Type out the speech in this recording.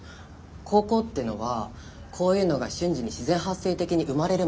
高校ってのはこういうのが瞬時に自然発生的に生まれるもんなの。